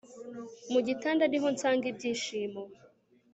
mugitanda niho nsanga ibyishimo